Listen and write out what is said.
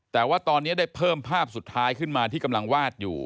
แต่ว่าตอนนี้ได้เพิ่มภาพสุดท้ายขึ้นมาที่กำลังวาดอยู่